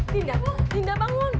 dinda dinda bangun